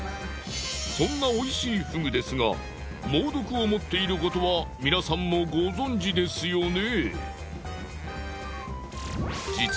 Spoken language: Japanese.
そんなおいしいフグですが猛毒を持っていることは皆さんもご存じですよね。